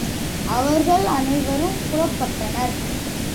அவர்கள் அனைவரும் புறப்பட்டனர்.